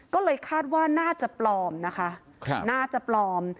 ก็เลยคาดว่าน่าจะปลอมนะคะน่าจะปลอม